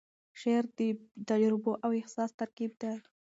شعر د تجربو او احساس ترکیب دی.